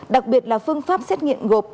đặc biệt là phương pháp xét nghiệm gộp